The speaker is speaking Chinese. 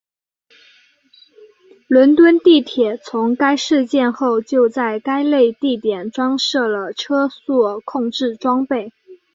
伦敦地铁从该事件后就在该类地点装设了车速控制装备。